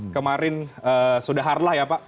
kemarin sudah harlah ya pak